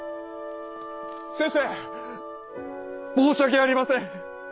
先生申し訳ありません！